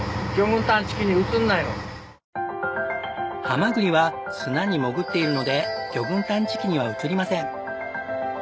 ハマグリは砂に潜っているので魚群探知機には映りません。